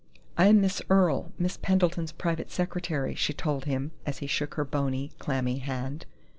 "I am Miss Earle, Miss Pendleton's private secretary," she told him, as he shook her bony, clammy hand.